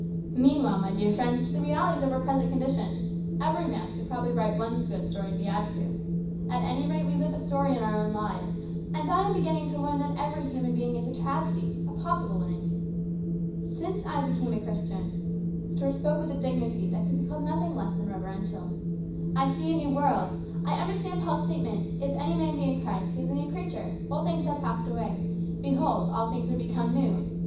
" Mean while, my dear friends, to the realities of our present conditions. Every man could probably write one good story if he had to. At any rate we live a story in our own lives, and I am beginning to learn that every human being is a tragedy, a possible one, I mean. Since I became a Christian," Stuart spoke with a dignity that could be called nothing less than reverential, " I see a new world. I understand Paul's statement, ' If any man be in Christ, he is a new creature : old things have passed away ; behold, all things are become new.'